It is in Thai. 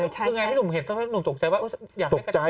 คือไงพี่หนุ่มเห็นอะหนุ่มตกใจว่าอยากให้กระจาย